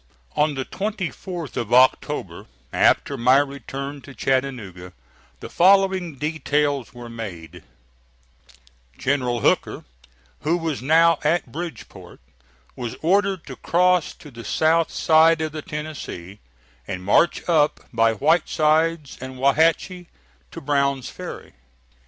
On the 24th of October, after my return to Chattanooga, the following details were made: General Hooker, who was now at Bridgeport, was ordered to cross to the south side of the Tennessee and march up by Whitesides and Wauhatchie to Brown's Ferry.